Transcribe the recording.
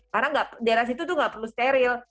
karena di alas itu tuh gak perlu steril